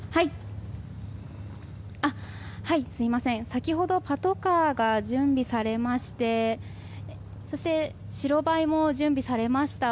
先ほどパトカーが準備されましてそして白バイも準備されました。